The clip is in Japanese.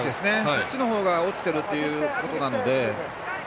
そっちのほうが落ちているということなので。